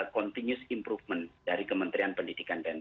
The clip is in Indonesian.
continuous improvement dari kementerian pendidikan dan